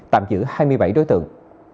tạm giữ hai mươi bảy đối tượng